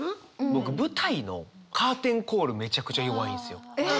僕舞台のカーテンコールめちゃくちゃ弱いんですよ。え！